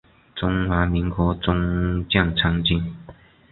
中华民国中将参军。